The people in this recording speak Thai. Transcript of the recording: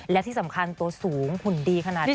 และที่สำคัญตัวสูงหุ่นดีขนาดนี้